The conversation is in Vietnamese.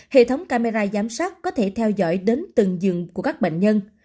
hệ thống camera giám sát có thể theo dõi đến từng giường của các bệnh nhân